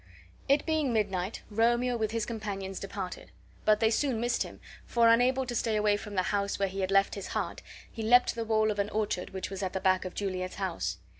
It being midnight, Romeo with his companions departed; but they soon missed him, for, unable to stay away from the house where he had left his heart, he leaped the wall of an orchard which was at the back of Juliet's house.